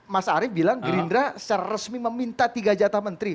mas arief bilang gerindra secara resmi meminta tiga jatah menteri